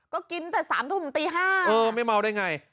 ก็กินแต่๓ทุ่มตี๕เออไม่เมาได้ไง